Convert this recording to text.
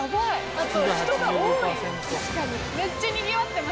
あと人が多い。